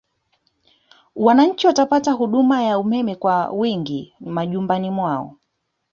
Wananchi watapata huduma ya umeme kwa wingi majumbani mwao